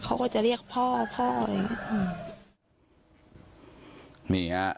เขาก็จะเรียกพ่ออะไรแบบนี้